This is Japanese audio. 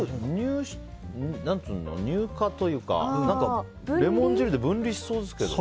乳化というかレモン汁って分離しそうですけど。